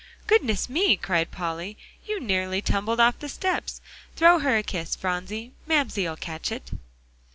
"Goodness me!" cried Polly, "you nearly tumbled off the steps. Throw her a kiss, Phronsie; Mamsie'll catch it."